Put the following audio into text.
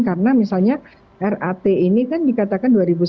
karena misalnya rat ini kan dikatakan dua ribu sembilan